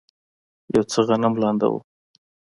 یو څه غنم لانده و.